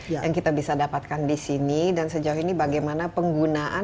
apa apa saja yang kita bisa dapatkan di sini dan sejauh ini bagaimana penggunaan